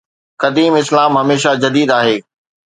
قديم اسلام هميشه جديد آهي.